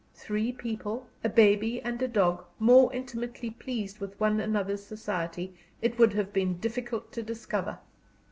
Three people, a baby, and a dog more intimately pleased with one another's society it would have been difficult to discover.